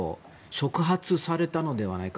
触発されたのではないか。